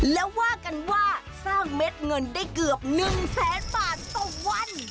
แล้วว่ากันว่าสร้างเม็ดเงินได้เกือบ๑แสนบาทต่อวัน